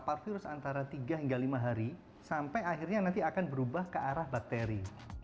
parvirus antara tiga hingga lima hari sampai akhirnya nanti akan berubah ke arah bakteri